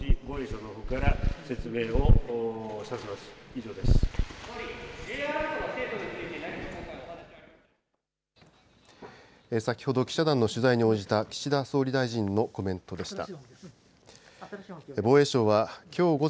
総理、先ほど、記者団の取材に応じた岸田総理大臣のコメントでした。